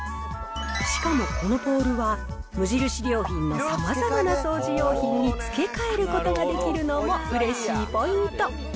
しかもこのポールは無印良品のさまざまな掃除用品に付け替えることができるのもうれしいポイント。